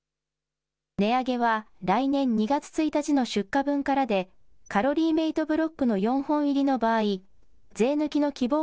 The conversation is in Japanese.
値上げは来年２月１日の出荷分からで、カロリーメイトブロックの４本入りの場合、税抜きの希望